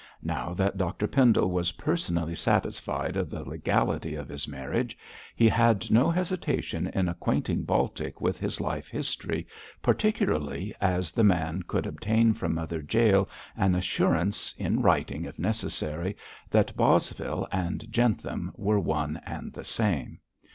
Now that Dr Pendle was personally satisfied of the legality of his marriage, he had no hesitation in acquainting Baltic with his life history, particularly as the man could obtain from Mother Jael an assurance, in writing if necessary, that Bosvile and Jentham were one and the same.